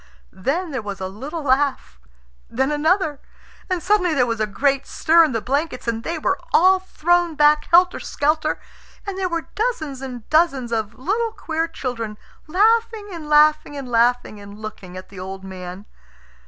Then there was a little laugh. Then another. And suddenly there was a great stir in the blankets, and they were all thrown back helter skelter, and there were dozens and dozens of little queer children, laughing and laughing and laughing, and looking at the old man.